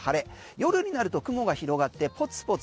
夜になると雲が広がってポツポツ、